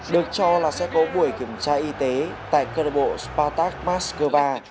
được cho là sẽ có buổi kiểm tra y tế tại crêbô spartak manskva